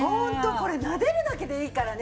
これなでるだけでいいからね。